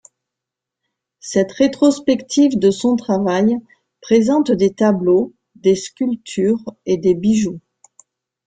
Cette rétrospective de son travail présente des tableaux, des sculptures et des bijoux.